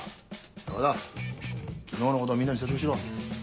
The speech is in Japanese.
山田昨日のことをみんなに説明しろ。